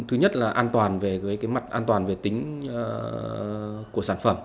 thứ nhất là an toàn về cái mặt an toàn về tính của sản phẩm